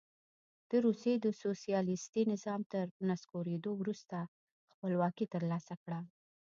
د روسیې د سوسیالیستي نظام تر نسکورېدو وروسته خپلواکي ترلاسه کړه.